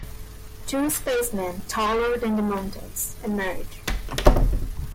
Two spacemen, taller than the mountains, emerge.